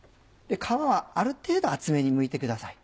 皮はある程度厚めにむいてください。